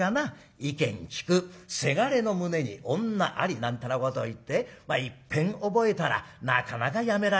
「意見聞くせがれの胸に女あり」なんてなことを言っていっぺん覚えたらなかなかやめられない。